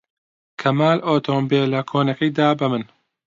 کەمال ئۆتۆمبێلە کۆنەکەی دا بە من.